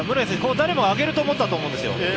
誰もが上げると思ったんですよ。